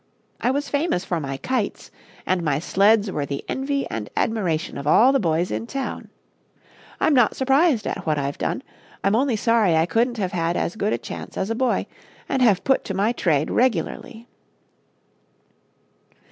I was famous for my kites, and my sleds were the envy and admiration of all the boys in town. I'm not surprised at what I've done; I'm only sorry I couldn't have had as good a chance as a boy, and have been put to my trade regularly."